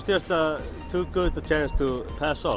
karena ini hanya peluang yang baik untuk berpengaruh